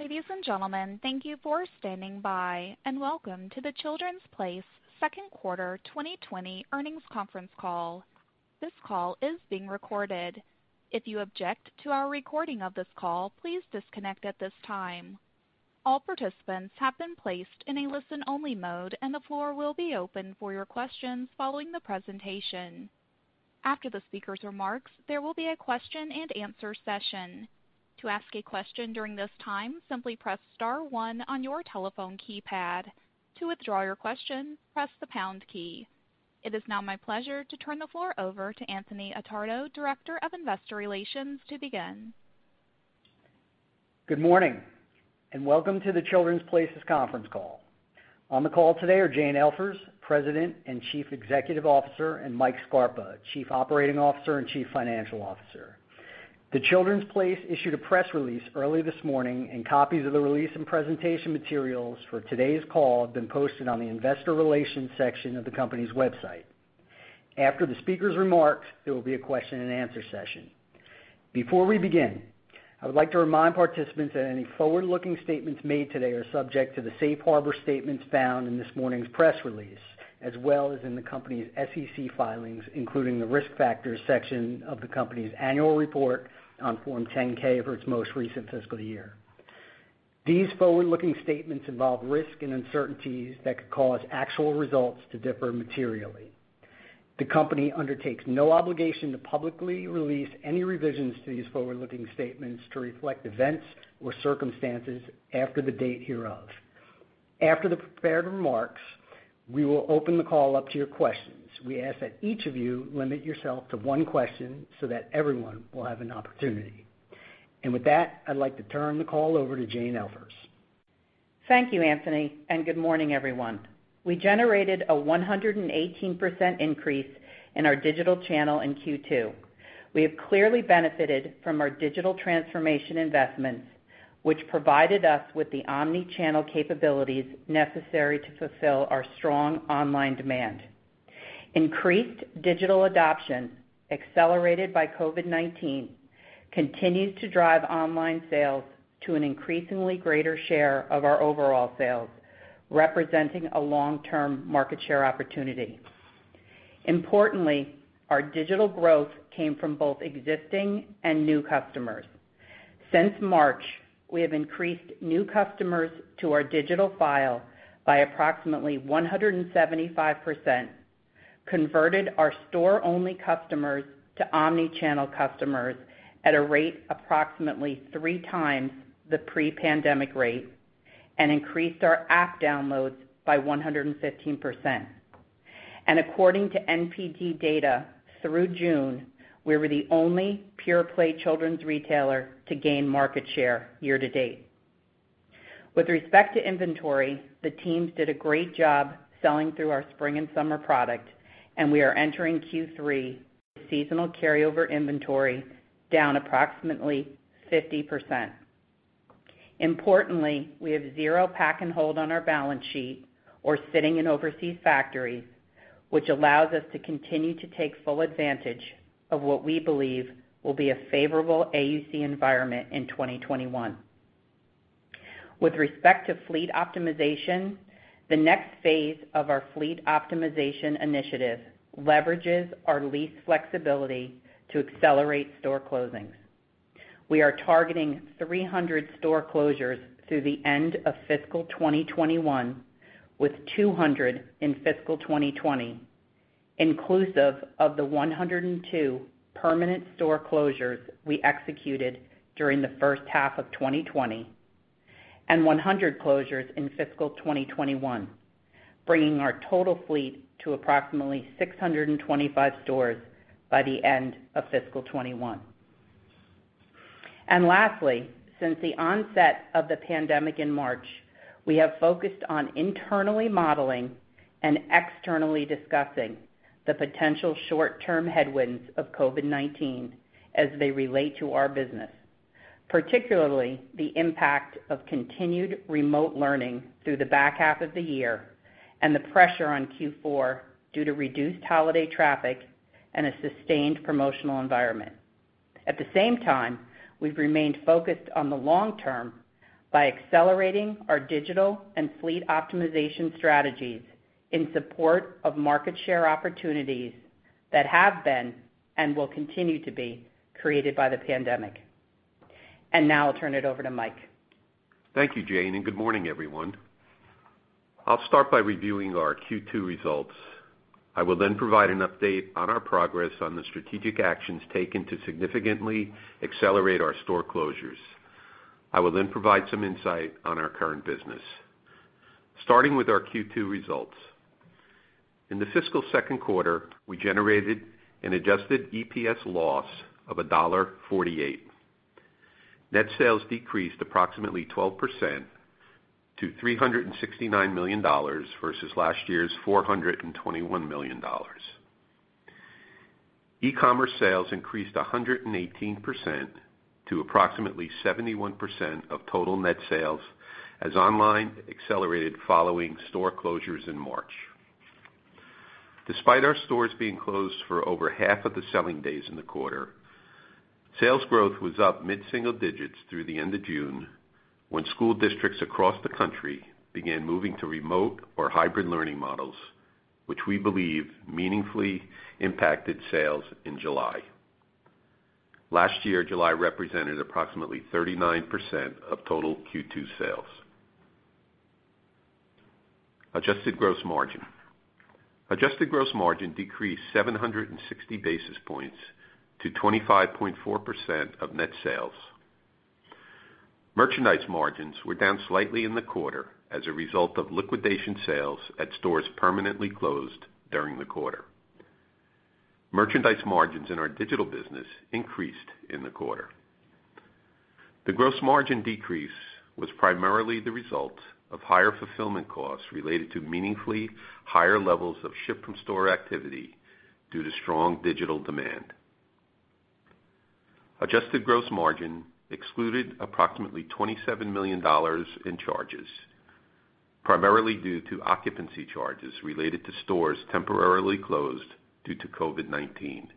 Ladies and gentlemen, thank you for standing by, and welcome to The Children's Place second quarter 2020 earnings conference call. This call is being recorded. If you object to our recording of this call, please disconnect at this time. All participants have been placed in a listen-only mode, and the floor will be open for your questions following the presentation. After the speaker's remarks, there will be a question and answer session. To ask a question during this time, simply press star one on your telephone keypad. To withdraw your question, press the pound key. It is now my pleasure to turn the floor over to Anthony Attardo, Director of Investor Relations, to begin. Good morning, welcome to The Children's Place's conference call. On the call today are Jane Elfers, President and Chief Executive Officer, and Mike Scarpa, Chief Operating Officer and Chief Financial Officer. The Children's Place issued a press release early this morning, and copies of the release and presentation materials for today's call have been posted on the investor relations section of the company's website. After the speaker's remarks, there will be a question and answer session. Before we begin, I would like to remind participants that any forward-looking statements made today are subject to the safe harbor statements found in this morning's press release, as well as in the company's SEC filings, including the Risk Factors section of the company's annual report on Form 10-K for its most recent fiscal year. These forward-looking statements involve risks and uncertainties that could cause actual results to differ materially. The company undertakes no obligation to publicly release any revisions to these forward-looking statements to reflect events or circumstances after the date hereof. After the prepared remarks, we will open the call up to your questions. We ask that each of you limit yourself to one question so that everyone will have an opportunity. With that, I'd like to turn the call over to Jane Elfers. Thank you, Anthony, and good morning, everyone. We generated a 118% increase in our digital channel in Q2. We have clearly benefited from our digital transformation investments, which provided us with the omni-channel capabilities necessary to fulfill our strong online demand. Increased digital adoption, accelerated by COVID-19, continues to drive online sales to an increasingly greater share of our overall sales, representing a long-term market share opportunity. Importantly, our digital growth came from both existing and new customers. Since March, we have increased new customers to our digital file by approximately 175%, converted our store-only customers to omni-channel customers at a rate approximately three times the pre-pandemic rate, and increased our app downloads by 115%. According to NPD data, through June, we were the only pure play children's retailer to gain market share year to date. With respect to inventory, the teams did a great job selling through our spring and summer product, and we are entering Q3 with seasonal carryover inventory down 50%. Importantly, we have zero pack and hold on our balance sheet or sitting in overseas factories, which allows us to continue to take full advantage of what we believe will be a favorable AUC environment in 2021. With respect to fleet optimization, the next phase of our fleet optimization initiative leverages our lease flexibility to accelerate store closings. We are targeting 300 store closures through the end of fiscal 2021, with 200 in fiscal 2020, inclusive of the 102 permanent store closures we executed during the first half of 2020 and 100 closures in fiscal 2021, bringing our total fleet to approximately 625 stores by the end of fiscal 2021. Lastly, since the onset of the pandemic in March, we have focused on internally modeling and externally discussing the potential short-term headwinds of COVID-19 as they relate to our business. Particularly, the impact of continued remote learning through the back half of the year and the pressure on Q4 due to reduced holiday traffic and a sustained promotional environment. At the same time, we've remained focused on the long term by accelerating our digital and fleet optimization strategies in support of market share opportunities that have been and will continue to be created by the pandemic. Now I'll turn it over to Mike. Thank you, Jane, and good morning, everyone. I'll start by reviewing our Q2 results. I will then provide an update on our progress on the strategic actions taken to significantly accelerate our store closures. I will then provide some insight on our current business. Starting with our Q2 results. In the fiscal second quarter, we generated an adjusted EPS loss of $1.48. Net sales decreased approximately 12% to $369 million versus last year's $421 million. E-commerce sales increased 118% to approximately 71% of total net sales, as online accelerated following store closures in March. Despite our stores being closed for over half of the selling days in the quarter, sales growth was up mid-single digits through the end of June, when school districts across the country began moving to remote or hybrid learning models, which we believe meaningfully impacted sales in July. Last year, July represented approximately 39% of total Q2 sales. Adjusted gross margin. Adjusted gross margin decreased 760 basis points to 25.4% of net sales. Merchandise margins were down slightly in the quarter as a result of liquidation sales at stores permanently closed during the quarter. Merchandise margins in our digital business increased in the quarter. The gross margin decrease was primarily the result of higher fulfillment costs related to meaningfully higher levels of ship-from-store activity due to strong digital demand. Adjusted gross margin excluded approximately $27 million in charges, primarily due to occupancy charges related to stores temporarily closed due to COVID-19.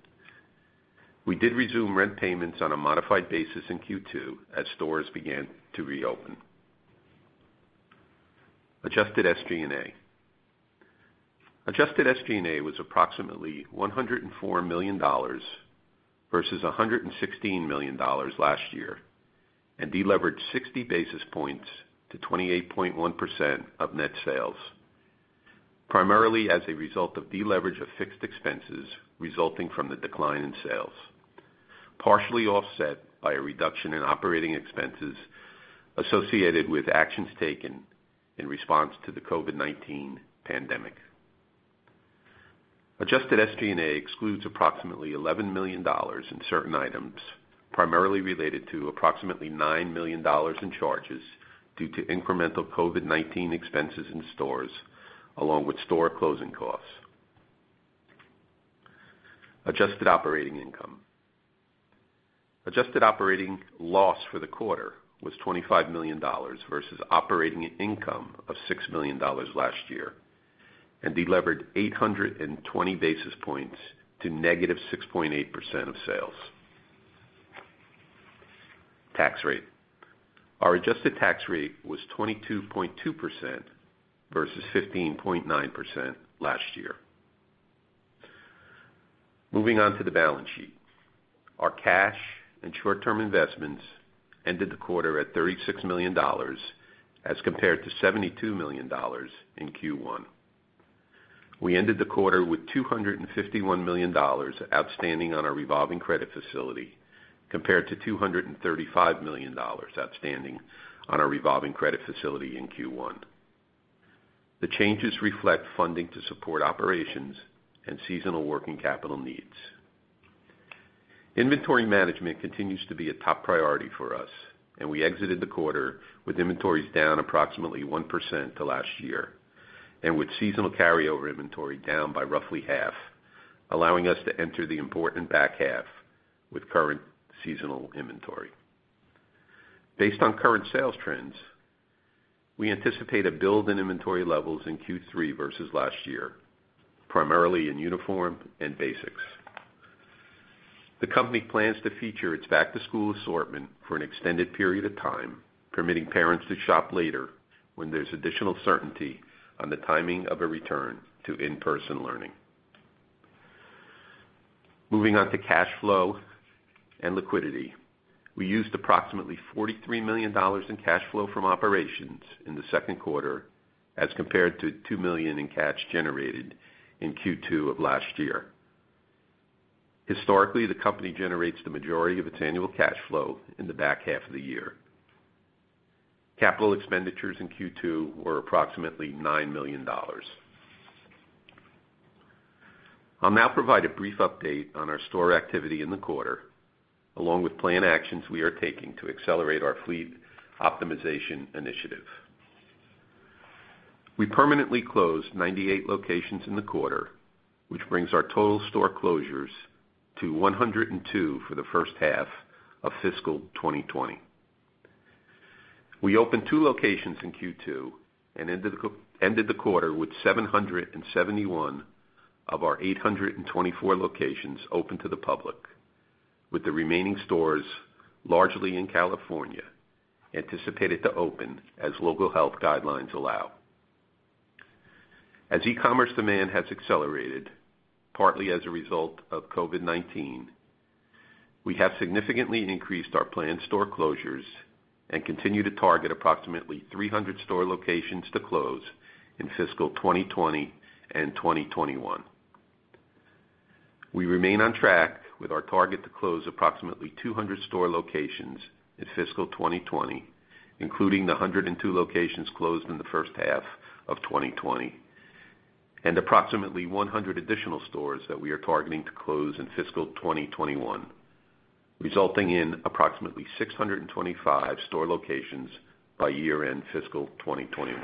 We did resume rent payments on a modified basis in Q2 as stores began to reopen. Adjusted SG&A. Adjusted SG&A was approximately $104 million versus $116 million last year, and deleveraged 60 basis points to 28.1% of net sales, primarily as a result of deleverage of fixed expenses resulting from the decline in sales, partially offset by a reduction in operating expenses associated with actions taken in response to the COVID-19 pandemic. Adjusted SG&A excludes approximately $11 million in certain items, primarily related to approximately $9 million in charges due to incremental COVID-19 expenses in stores, along with store closing costs. Adjusted operating income. Adjusted operating loss for the quarter was $25 million versus operating income of $6 million last year, and delevered 820 basis points to negative 6.8% of sales. Tax rate. Our adjusted tax rate was 22.2% versus 15.9% last year. Moving on to the balance sheet. Our cash and short-term investments ended the quarter at $36 million as compared to $72 million in Q1. We ended the quarter with $251 million outstanding on our revolving credit facility, compared to $235 million outstanding on our revolving credit facility in Q1. The changes reflect funding to support operations and seasonal working capital needs. Inventory management continues to be a top priority for us, and we exited the quarter with inventories down approximately 1% to last year, and with seasonal carryover inventory down by roughly half, allowing us to enter the important back half with current seasonal inventory. Based on current sales trends, we anticipate a build in inventory levels in Q3 versus last year, primarily in uniform and basics. The company plans to feature its back-to-school assortment for an extended period of time, permitting parents to shop later when there's additional certainty on the timing of a return to in-person learning. Moving on to cash flow and liquidity. We used approximately $43 million in cash flow from operations in the second quarter, as compared to $2 million in cash generated in Q2 of last year. Historically, the company generates the majority of its annual cash flow in the back half of the year. Capital expenditures in Q2 were approximately $9 million. I'll now provide a brief update on our store activity in the quarter, along with planned actions we are taking to accelerate our fleet optimization initiative. We permanently closed 98 locations in the quarter, which brings our total store closures to 102 for the first half of fiscal 2020. We opened two locations in Q2 and ended the quarter with 771 of our 824 locations open to the public, with the remaining stores, largely in California, anticipated to open as local health guidelines allow. As e-commerce demand has accelerated, partly as a result of COVID-19, we have significantly increased our planned store closures and continue to target approximately 300 store locations to close in fiscal 2020 and 2021. We remain on track with our target to close approximately 200 store locations in fiscal 2020, including the 102 locations closed in the first half of 2020, and approximately 100 additional stores that we are targeting to close in fiscal 2021, resulting in approximately 625 store locations by year-end fiscal 2021.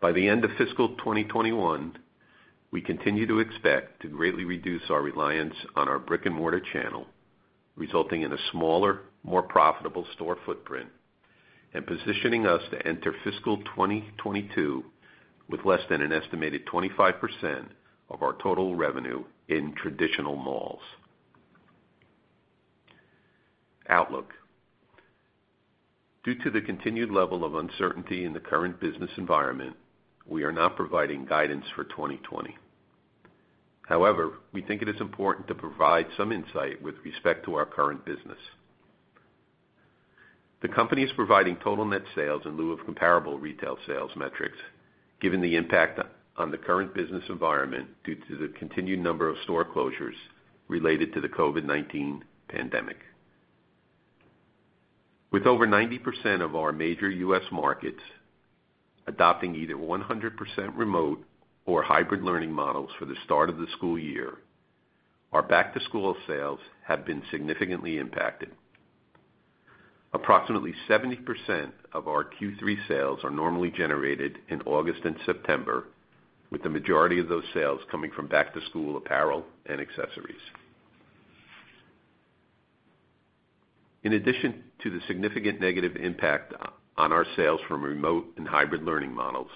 By the end of fiscal 2021, we continue to expect to greatly reduce our reliance on our brick-and-mortar channel, resulting in a smaller, more profitable store footprint and positioning us to enter fiscal 2022 with less than an estimated 25% of our total revenue in traditional malls. Outlook. Due to the continued level of uncertainty in the current business environment, we are not providing guidance for 2020. However, we think it is important to provide some insight with respect to our current business. The company is providing total net sales in lieu of comparable retail sales metrics, given the impact on the current business environment due to the continued number of store closures related to the COVID-19 pandemic. With over 90% of our major U.S. markets adopting either 100% remote or hybrid learning models for the start of the school year, our back to school sales have been significantly impacted. Approximately 70% of our Q3 sales are normally generated in August and September, with the majority of those sales coming from back to school apparel and accessories. In addition to the significant negative impact on our sales from remote and hybrid learning models,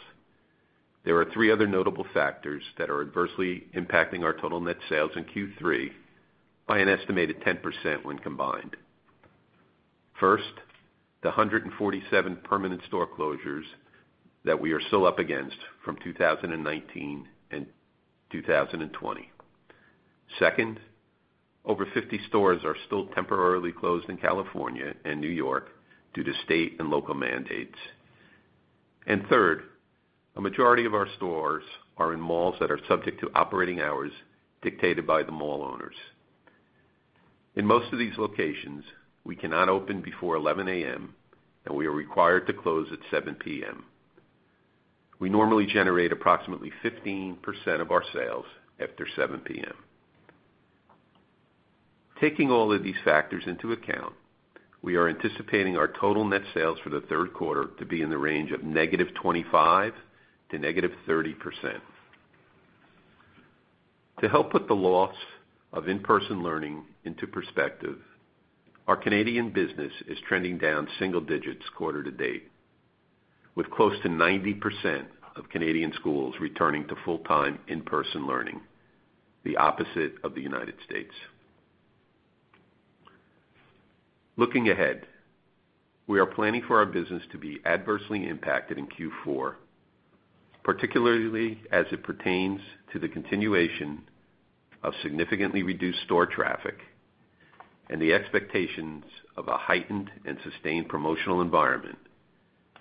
there are three other notable factors that are adversely impacting our total net sales in Q3 by an estimated 10% when combined. First, the 147 permanent store closures that we are still up against from 2019 and 2020. Second, over 50 stores are still temporarily closed in California and New York due to state and local mandates. Third, a majority of our stores are in malls that are subject to operating hours dictated by the mall owners. In most of these locations, we cannot open before 11:00 A.M., and we are required to close at 7:00 P.M. We normally generate approximately 15% of our sales after 7:00 P.M. Taking all of these factors into account, we are anticipating our total net sales for the third quarter to be in the range of -25% to -30%. To help put the loss of in-person learning into perspective, our Canadian business is trending down single digits quarter to date, with close to 90% of Canadian schools returning to full-time in-person learning, the opposite of the United States. Looking ahead, we are planning for our business to be adversely impacted in Q4, particularly as it pertains to the continuation of significantly reduced store traffic and the expectations of a heightened and sustained promotional environment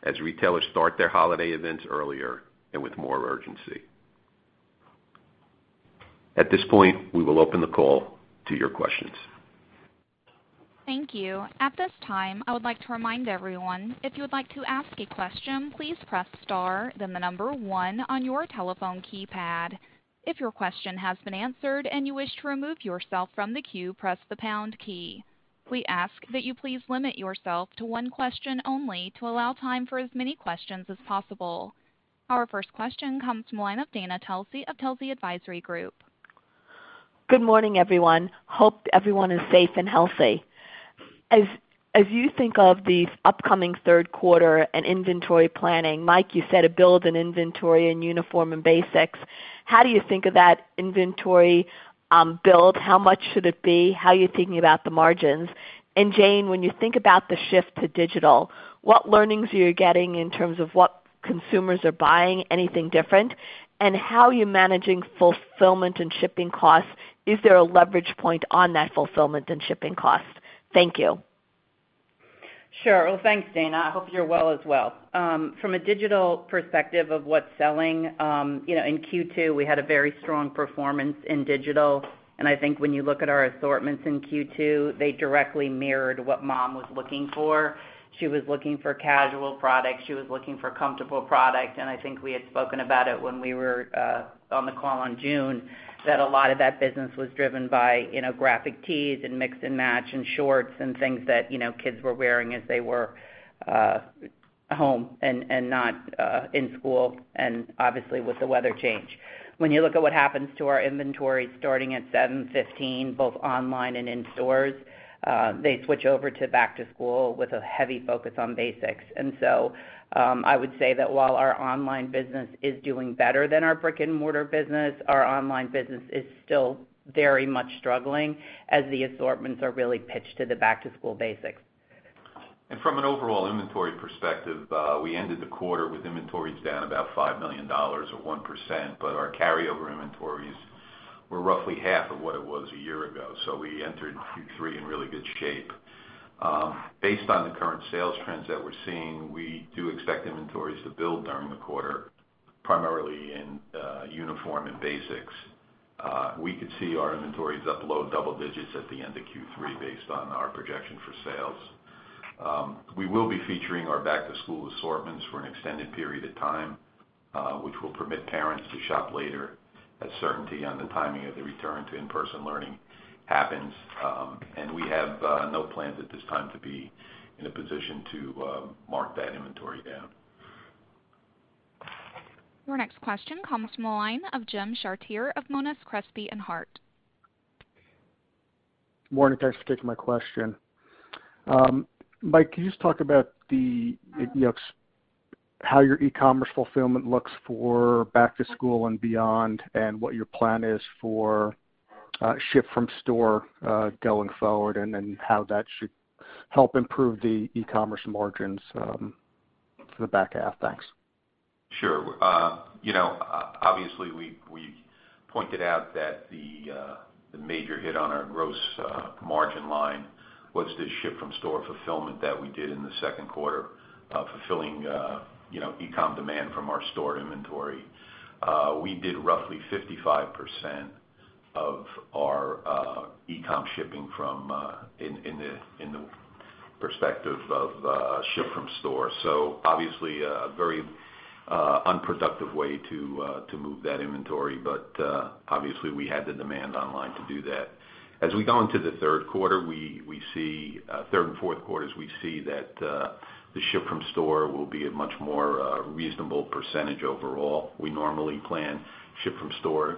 as retailers start their holiday events earlier and with more urgency. At this point, we will open the call to your questions. Thank you. At this time, I would like to remind everyone, if you would like to ask a question, please press star, then the number one on your telephone keypad. If your question has been answered and you wish to remove yourself from the queue, press the pound key. We ask that you please limit yourself to one question only to allow time for as many questions as possible. Our first question comes from the line of Dana Telsey of Telsey Advisory Group. Good morning, everyone. Hope everyone is safe and healthy. As you think of the upcoming third quarter and inventory planning, Mike, you said a build in inventory in uniform and basics. How do you think of that inventory build? How much should it be? How are you thinking about the margins? Jane, when you think about the shift to digital, what learnings are you getting in terms of what consumers are buying, anything different? How are you managing fulfillment and shipping costs? Is there a leverage point on that fulfillment and shipping cost? Thank you. Sure. Well, thanks, Dana. I hope you're well as well. From a digital perspective of what's selling, in Q2, we had a very strong performance in digital, and I think when you look at our assortments in Q2, they directly mirrored what mom was looking for. She was looking for casual product. She was looking for comfortable product. I think we had spoken about it when we were on the call on June, that a lot of that business was driven by graphic tees and mix and match and shorts and things that kids were wearing as they were home and not in school, and obviously with the weather change. When you look at what happens to our inventory starting at 7/15, both online and in stores, they switch over to back to school with a heavy focus on basics. I would say that while our online business is doing better than our brick and mortar business, our online business is still very much struggling as the assortments are really pitched to the back to school basics. From an overall inventory perspective, we ended the quarter with inventories down about $5 million or 1%, but our carryover inventories were roughly half of what it was a year ago. We entered Q3 in really good shape. Based on the current sales trends that we're seeing, we do expect inventories to build during the quarter, primarily in uniform and basics. We could see our inventories up low double digits at the end of Q3 based on our projection for sales. We will be featuring our back to school assortments for an extended period of time, which will permit parents to shop later as certainty on the timing of the return to in-person learning happens. We have no plans at this time to be in a position to mark that inventory down. Your next question comes from the line of Jim Chartier of Monness, Crespi & Hardt. Morning. Thanks for taking my question. Mike, can you just talk about how your e-commerce fulfillment looks for back to school and beyond, and what your plan is for ship-from-store, going forward, and then how that should help improve the e-commerce margins for the back half? Thanks. Sure. Obviously, we pointed out that the major hit on our gross margin line was the ship-from-store fulfillment that we did in the second quarter, fulfilling e-com demand from our store inventory. We did roughly 55% of our e-com shipping in the perspective of ship-from-store. Obviously, a very unproductive way to move that inventory, but obviously, we had the demand online to do that. As we go into the third and fourth quarters, we see that the ship-from-store will be a much more reasonable percentage overall. We normally plan ship-from-store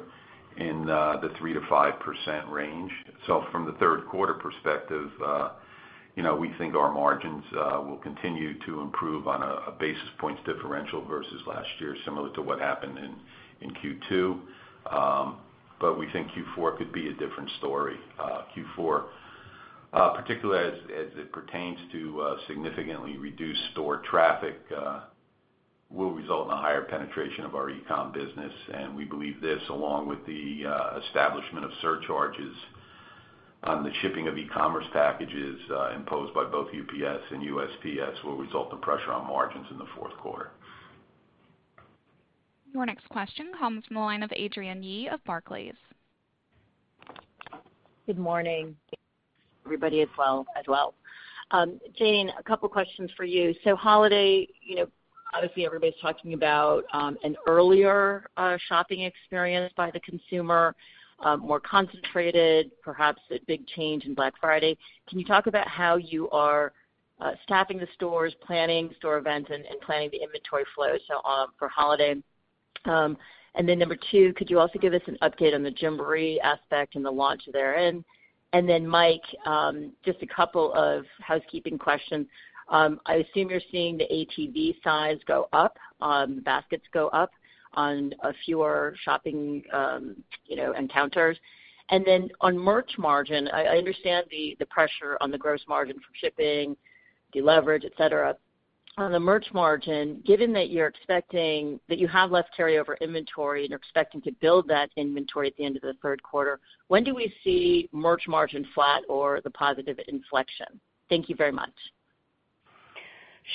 in the 3%-5% range. From the third quarter perspective, we think our margins will continue to improve on a basis points differential versus last year, similar to what happened in Q2. We think Q4 could be a different story. Q4, particularly as it pertains to significantly reduced store traffic, will result in a higher penetration of our e-com business. We believe this, along with the establishment of surcharges on the shipping of e-commerce packages imposed by both UPS and USPS, will result in pressure on margins in the fourth quarter. Your next question comes from the line of Adrienne Yih of Barclays. Good morning. Jane, a couple questions for you. Holiday, obviously everybody's talking about an earlier shopping experience by the consumer, more concentrated, perhaps a big change in Black Friday. Can you talk about how you are staffing the stores, planning store events, and planning the inventory flow for holiday? Number two, could you also give us an update on the Gymboree aspect and the launch there? Mike, just a couple of housekeeping questions. I assume you're seeing the ATV size go up, the baskets go up on fewer shopping encounters. On merch margin, I understand the pressure on the gross margin from shipping, deleverage, et cetera. On the merch margin, given that you have less carryover inventory and are expecting to build that inventory at the end of the third quarter, when do we see merch margin flat or the positive inflection? Thank you very much.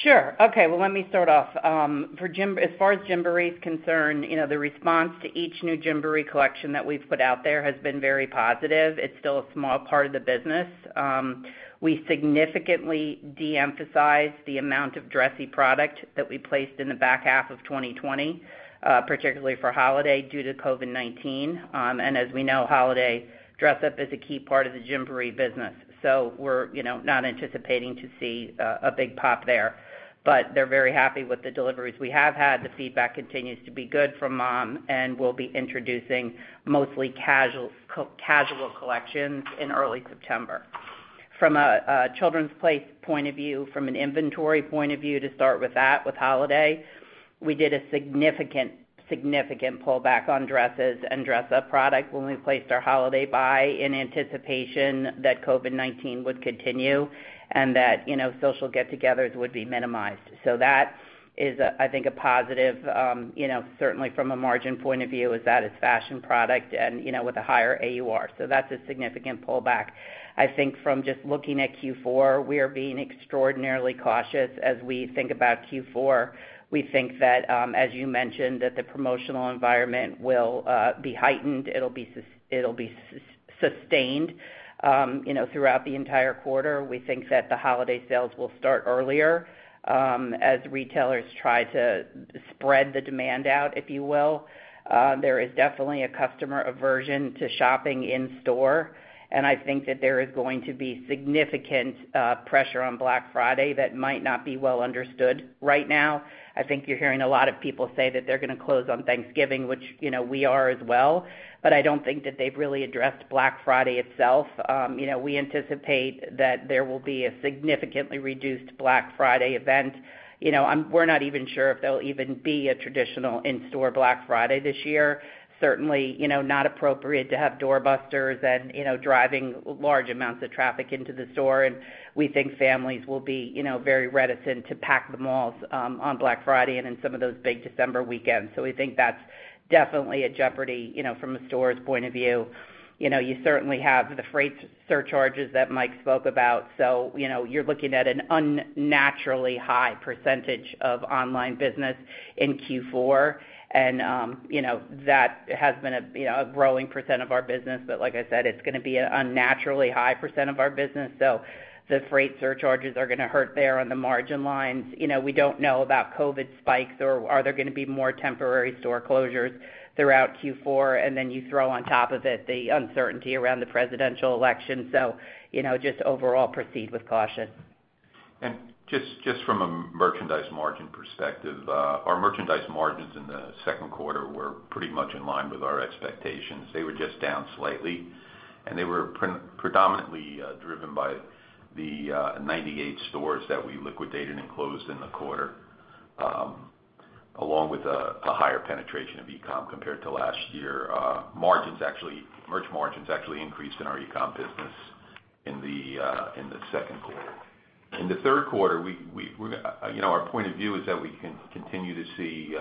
Sure. Okay. Well, let me start off. As far as Gymboree is concerned, the response to each new Gymboree collection that we've put out there has been very positive. It's still a small part of the business. We significantly de-emphasized the amount of dressy product that we placed in the back half of 2020, particularly for holiday due to COVID-19. As we know, holiday dress up is a key part of the Gymboree business. We're not anticipating to see a big pop there. They're very happy with the deliveries we have had. The feedback continues to be good from mom, we'll be introducing mostly casual collections in early September. From a The Children's Place point of view, from an inventory point of view, to start with that, with holiday, we did a significant pullback on dresses and dress-up product when we placed our holiday buy in anticipation that COVID-19 would continue and that social get-togethers would be minimized. That is, I think, a positive, certainly from a margin point of view, is that it's fashion product and with a higher AUR. That's a significant pullback. I think from just looking at Q4, we are being extraordinarily cautious as we think about Q4. We think that, as you mentioned, that the promotional environment will be heightened. It'll be sustained throughout the entire quarter. We think that the holiday sales will start earlier as retailers try to spread the demand out, if you will. There is definitely a customer aversion to shopping in store. I think that there is going to be significant pressure on Black Friday that might not be well understood right now. I think you're hearing a lot of people say that they're going to close on Thanksgiving, which we are as well. I don't think that they've really addressed Black Friday itself. We anticipate that there will be a significantly reduced Black Friday event. We're not even sure if there'll even be a traditional in-store Black Friday this year. Certainly, not appropriate to have doorbusters and driving large amounts of traffic into the store. We think families will be very reticent to pack the malls on Black Friday and in some of those big December weekends. We think that's definitely a jeopardy from a store's point of view. You certainly have the freight surcharges that Mike spoke about. You're looking at an unnaturally high % of online business in Q4, and that has been a growing % of our business. Like I said, it's going to be an unnaturally high % of our business. The freight surcharges are going to hurt there on the margin lines. We don't know about COVID spikes or are there going to be more temporary store closures throughout Q4, and then you throw on top of it the uncertainty around the presidential election. Just overall proceed with caution. Just from a merchandise margin perspective, our merchandise margins in the second quarter were pretty much in line with our expectations. They were just down slightly, and they were predominantly driven by the 98 stores that we liquidated and closed in the quarter, along with a higher penetration of e-com compared to last year. Merch margins actually increased in our e-com business in the second quarter. In the third quarter, our point of view is that we can continue to see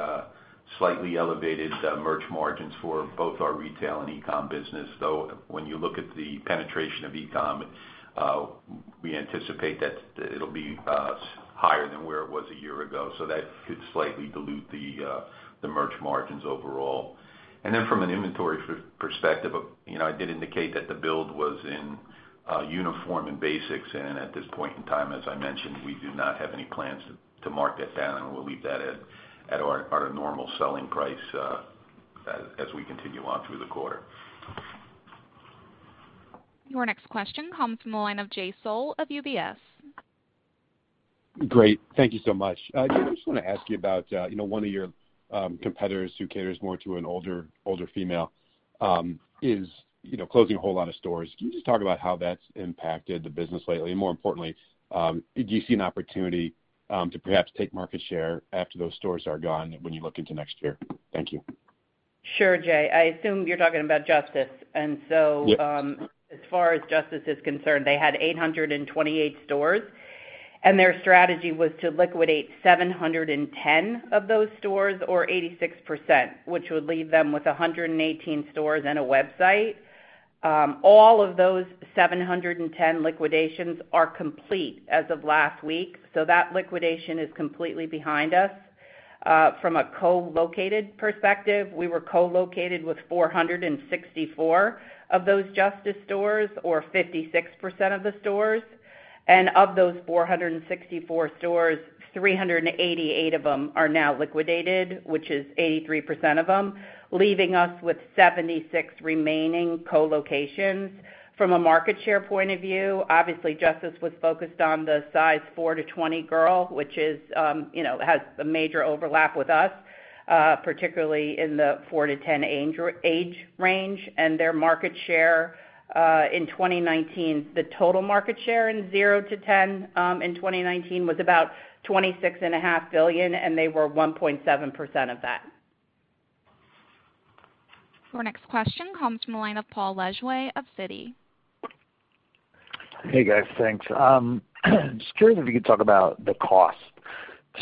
slightly elevated merch margins for both our retail and e-com business, though when you look at the penetration of e-com, we anticipate that it'll be higher than where it was a year ago. That could slightly dilute the merch margins overall. From an inventory perspective, I did indicate that the build was in uniform and basics. At this point in time, as I mentioned, we do not have any plans to mark that down, and we'll leave that at our normal selling price as we continue on through the quarter. Your next question comes from the line of Jay Sole of UBS. Great. Thank you so much. Jane, I just want to ask you about one of your competitors who caters more to an older female, is closing a whole lot of stores. Can you just talk about how that's impacted the business lately? More importantly, do you see an opportunity to perhaps take market share after those stores are gone when you look into next year? Thank you. Sure, Jay. I assume you're talking about Justice. Yep. As far as Justice is concerned, they had 828 stores, and their strategy was to liquidate 710 of those stores, or 86%, which would leave them with 118 stores and a website. All of those 710 liquidations are complete as of last week, so that liquidation is completely behind us. From a co-located perspective, we were co-located with 464 of those Justice stores, or 56% of the stores. Of those 464 stores, 388 of them are now liquidated, which is 83% of them, leaving us with 76 remaining co-locations. From a market share point of view, obviously, Justice was focused on the size four to 20 girl, which has a major overlap with us, particularly in the four to 10 age range, and their market share in 2019. The total market share in zero to 10 in 2019 was about $26.5 billion. They were 1.7% of that. Our next question comes from the line of Paul Lejuez of Citi. Hey, guys. Thanks. Just curious if you could talk about the cost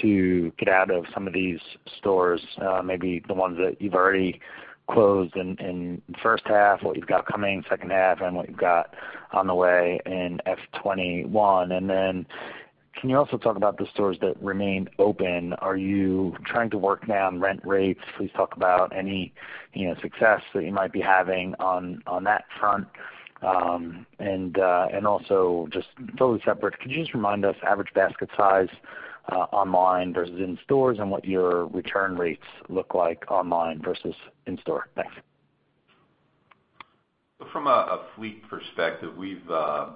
to get out of some of these stores, maybe the ones that you've already closed in first half, what you've got coming in second half, and what you've got on the way in FY 2021. Can you also talk about the stores that remained open? Are you trying to work down rent rates? Please talk about any success that you might be having on that front. Just totally separate, could you just remind us average basket size online versus in stores and what your return rates look like online versus in store? Thanks. From a fleet perspective, we've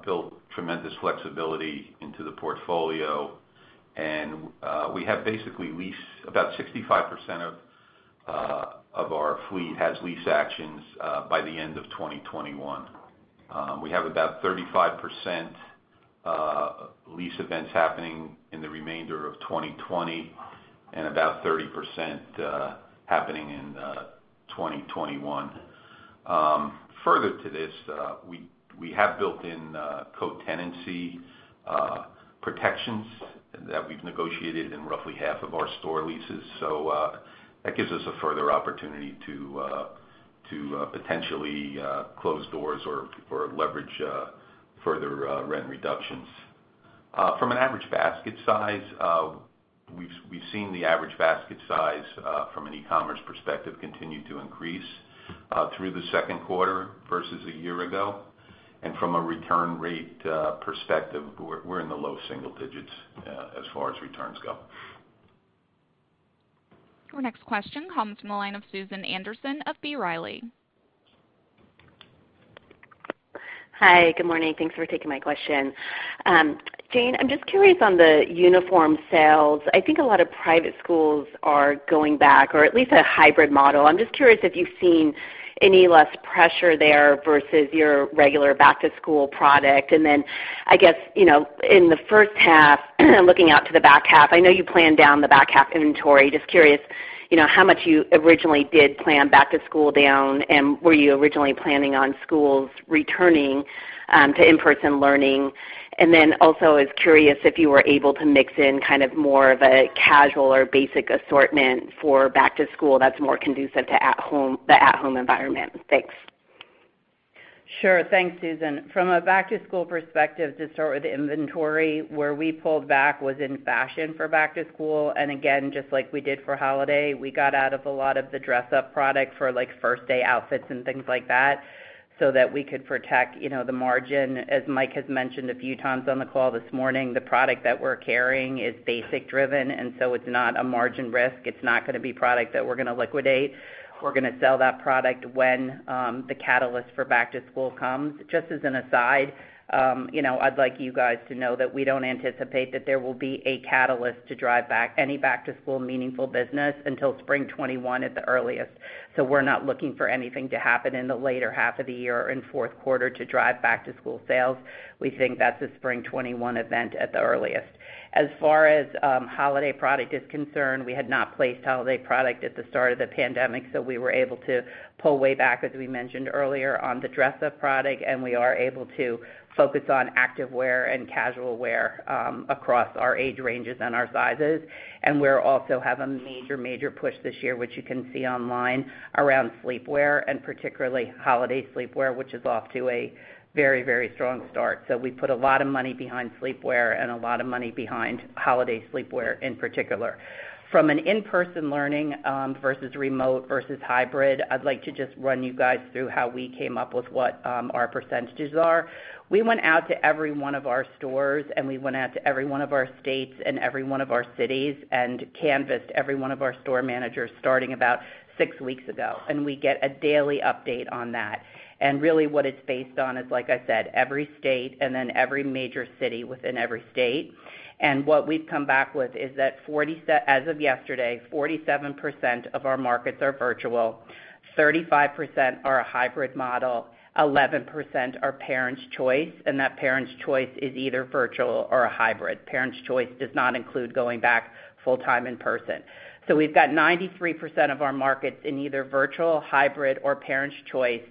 built tremendous flexibility into the portfolio, and we have basically leased about 65% of our fleet has lease actions by the end of 2021. We have about 35% lease events happening in the remainder of 2020 and about 30% happening in 2021. Further to this, we have built in co-tenancy protections that we've negotiated in roughly half of our store leases. That gives us a further opportunity to potentially close doors or leverage further rent reductions. From an average basket size, we've seen the average basket size from an e-commerce perspective continue to increase through the second quarter versus a year ago. From a return rate perspective, we're in the low single digits as far as returns go. Your next question comes from the line of Susan Anderson of B. Riley. Hi. Good morning. Thanks for taking my question. Jane, I'm just curious on the uniform sales. I think a lot of private schools are going back, or at least a hybrid model. I'm just curious if you've seen any less pressure there versus your regular back-to-school product. I guess, in the first half, looking out to the back half, I know you planned down the back half inventory. Just curious how much you originally did plan back to school down, and were you originally planning on schools returning to in-person learning? Also, I was curious if you were able to mix in kind of more of a casual or basic assortment for back to school that's more conducive to the at home environment. Thanks. Sure. Thanks, Susan. From a back to school perspective, to start with inventory, where we pulled back was in fashion for back to school. Again, just like we did for holiday, we got out of a lot of the dress-up product for first day outfits and things like that. So that we could protect the margin. As Mike has mentioned a few times on the call this morning, the product that we're carrying is basic driven, and so it's not a margin risk. It's not going to be product that we're going to liquidate. We're going to sell that product when the catalyst for back to school comes. Just as an aside, I'd like you guys to know that we don't anticipate that there will be a catalyst to drive any back to school meaningful business until spring 2021 at the earliest. We're not looking for anything to happen in the later half of the year or in fourth quarter to drive back to school sales. We think that's a spring 2021 event at the earliest. As far as holiday product is concerned, we had not placed holiday product at the start of the pandemic, we were able to pull way back, as we mentioned earlier, on the dress up product, we are able to focus on active wear and casual wear across our age ranges and our sizes. We also have a major push this year, which you can see online around sleepwear and particularly holiday sleepwear, which is off to a very strong start. We put a lot of money behind sleepwear and a lot of money behind holiday sleepwear in particular. From an in-person learning versus remote versus hybrid, I'd like to just run you guys through how we came up with what our percentages are. We went out to every one of our stores, and we went out to every one of our states and every one of our cities and canvassed every one of our store managers starting about six weeks ago. We get a daily update on that. Really what it's based on is, like I said, every state and then every major city within every state. What we've come back with is that, as of yesterday, 47% of our markets are virtual, 35% are a hybrid model, 11% are parents' choice, and that parents' choice is either virtual or a hybrid. Parents' choice does not include going back full time in person. We've got 93% of our markets in either virtual, hybrid, or parents' choice.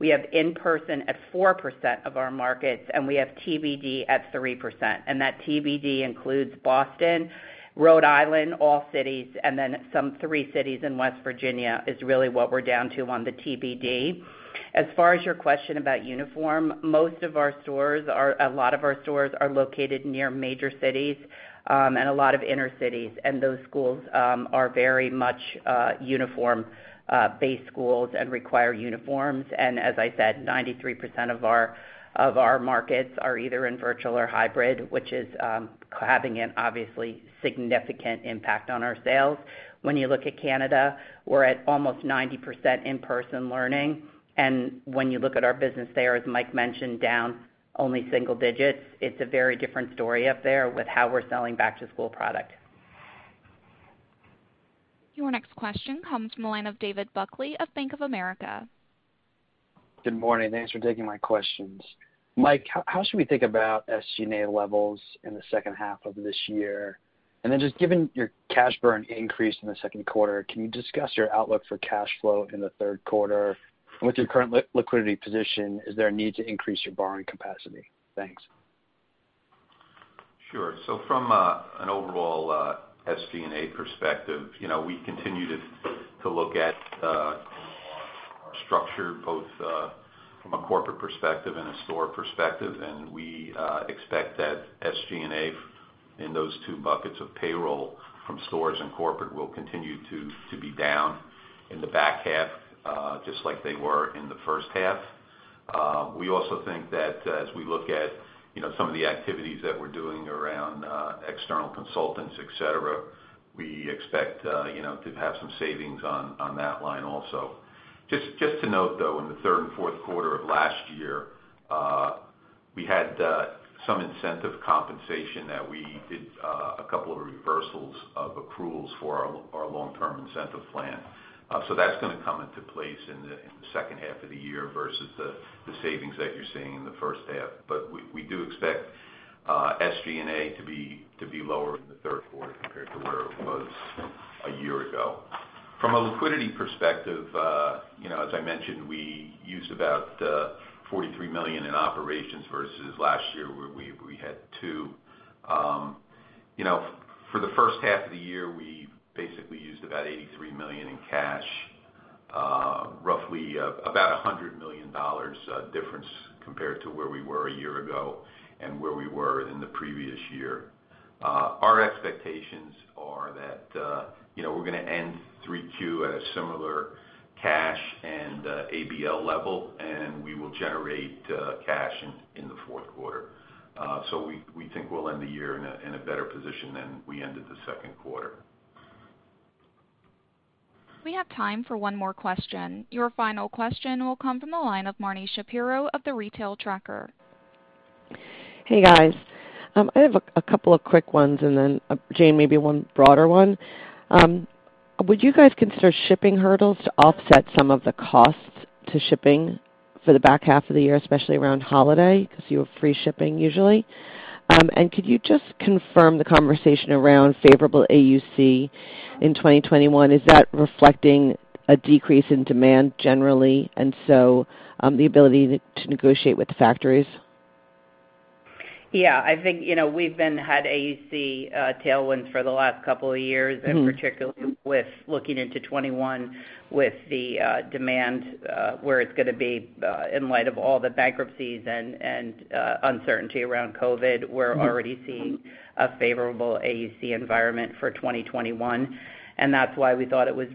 We have in-person at 4% of our markets, and we have TBD at 3%. That TBD includes Boston, Rhode Island, all cities, and then some three cities in West Virginia is really what we're down to on the TBD. As far as your question about uniform, a lot of our stores are located near major cities, and a lot of inner cities, and those schools are very much uniform-based schools and require uniforms. As I said, 93% of our markets are either in virtual or hybrid, which is having an obviously significant impact on our sales. When you look at Canada, we're at almost 90% in-person learning. When you look at our business there, as Mike mentioned, down only single digits. It's a very different story up there with how we're selling back to school product. Your next question comes from the line of David Buckley of Bank of America. Good morning. Thanks for taking my questions. Mike, how should we think about SG&A levels in the second half of this year? Just given your cash burn increase in the second quarter, can you discuss your outlook for cash flow in the third quarter? With your current liquidity position, is there a need to increase your borrowing capacity? Thanks. Sure. From an overall SG&A perspective, we continue to look at our structure both from a corporate perspective and a store perspective. We expect that SG&A in those two buckets of payroll from stores and corporate will continue to be down in the back half, just like they were in the first half. We also think that as we look at some of the activities that we're doing around external consultants, et cetera, we expect to have some savings on that line also. Just to note, though, in the third and fourth quarter of last year, we had some incentive compensation that we did a couple of reversals of accruals for our long-term incentive plan. That's going to come into place in the second half of the year versus the savings that you're seeing in the first half. We do expect SG&A to be lower in the third quarter compared to where it was a year ago. From a liquidity perspective, as I mentioned, we used about $43 million in operations versus last year where we had two. For the first half of the year, we basically used about $83 million in cash, roughly about $100 million difference compared to where we were a year ago and where we were in the previous year. Our expectations are that we're going to end Q3 at a similar cash and ABL level, and we will generate cash in the fourth quarter. We think we'll end the year in a better position than we ended the second quarter. We have time for one more question. Your final question will come from the line of Marni Shapiro of The Retail Tracker. Hey, guys. I have a couple of quick ones, and then Jane, maybe one broader one. Would you guys consider shipping hurdles to offset some of the costs to shipping for the back half of the year, especially around holiday because you have free shipping usually? Could you just confirm the conversation around favorable AUC in 2021? Is that reflecting a decrease in demand generally, and so the ability to negotiate with the factories? I think we've had AUC tailwinds for the last couple of years, and particularly with looking into 2021 with the demand where it's going to be in light of all the bankruptcies and uncertainty around COVID. We're already seeing a favorable AUC environment for 2021, and that's why we thought it was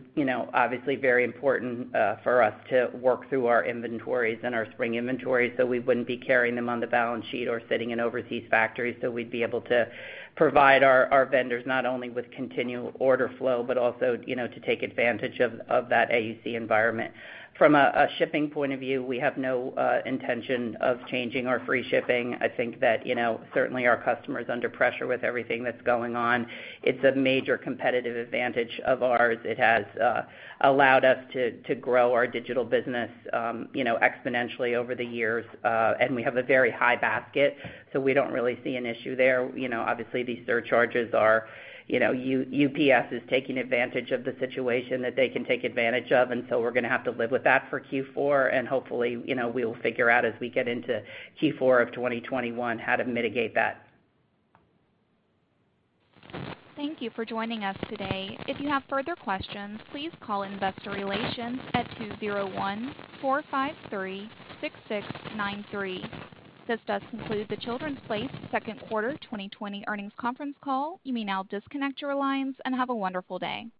obviously very important for us to work through our inventories and our spring inventories so we wouldn't be carrying them on the balance sheet or sitting in overseas factories, so we'd be able to provide our vendors not only with continual order flow, but also to take advantage of that AUC environment. From a shipping point of view, we have no intention of changing our free shipping. I think that certainly our customers under pressure with everything that's going on. It's a major competitive advantage of ours. It has allowed us to grow our digital business exponentially over the years. We have a very high basket, so we don't really see an issue there. Obviously, these surcharges are UPS is taking advantage of the situation that they can take advantage of. We're going to have to live with that for Q4, and hopefully, we will figure out as we get into Q4 of 2021 how to mitigate that. Thank you for joining us today. If you have further questions, please call Investor Relations at 201-453-6693. This does conclude The Children's Place Second Quarter 2020 Earnings Conference Call. You may now disconnect your lines, and have a wonderful day.